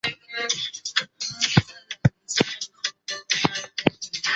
全区间被指定为如下表所列的高速自动车国道路线。